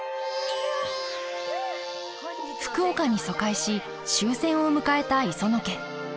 福岡に疎開し終戦を迎えた磯野家。